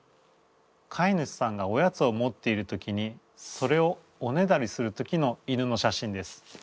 飼い主さんがおやつを持っている時にそれをおねだりする時の犬の写真です。